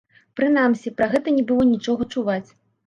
Прынамсі, пра гэта не было нічога чуваць.